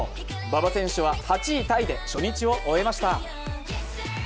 馬場選手は８位タイで初日を終えました。